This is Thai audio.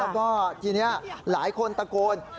แล้วก็ทีนี้หลายคนตะโกน